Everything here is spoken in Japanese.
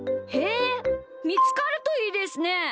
へえみつかるといいですね。